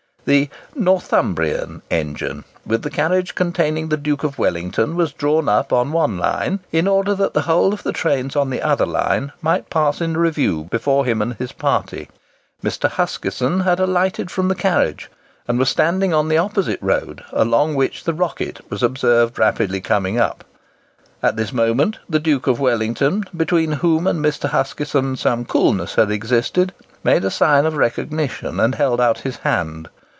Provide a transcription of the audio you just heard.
The "Northumbrian" engine, with the carriage containing the Duke of Wellington, was drawn up on one line, in order that the whole of the trains on the other line might pass in review before him and his party. Mr. Huskisson had alighted from the carriage, and was standing on the opposite road, along which the "Rocket" was observed rapidly coming up. At this moment the Duke of Wellington, between whom and Mr. Huskisson some coolness had existed, made a sign of recognition, and held out his hand.